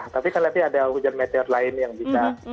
tapi kan nanti ada hujan meteor perseid